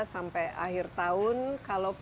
sampai akhir tahun kalau